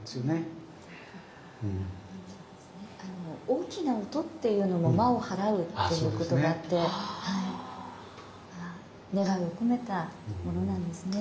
大きな音っていうのも「魔を払う」っていうことがあって願いを込めたものなんですね。